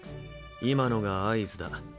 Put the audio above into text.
今のが「合図」だ。